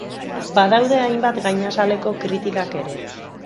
Badaude hainbat gainazaleko kritikak ere.